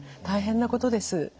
大変なことです。